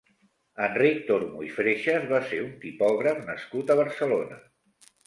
Enric Tormo i Freixes va ser un tipògraf nascut a Barcelona.